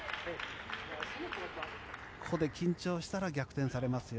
ここで緊張したら逆転されますよ。